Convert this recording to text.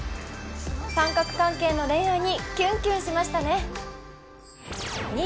三角関係の恋愛にキュンキュンしましたね